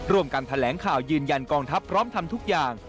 ร่วมกันแถลงข่าวยืนยันกองทัพพร้อมทำทุกอย่าง